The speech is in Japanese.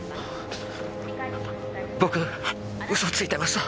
僕嘘ついてました。